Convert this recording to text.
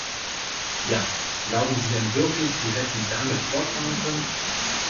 Ja, glauben Sie denn wirklich, Sie hätten damit fortfahren können?